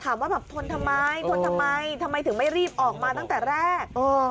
ว่าแบบทนทำไมทนทำไมทำไมถึงไม่รีบออกมาตั้งแต่แรก